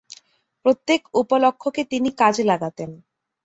প্রত্যেক উপলক্ষ্যকে তিনি কাজে লাগাতেন।